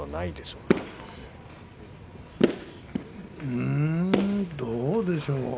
うーんどうでしょう。